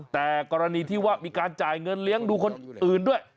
แต่กรณีที่ว่ามีการจ่ายเงินเลี้ยงดูคนอื่นด้วย